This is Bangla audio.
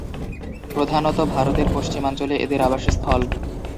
প্রধানতঃ ভারতের পশ্চিমাঞ্চলে এদের আবাসস্থল।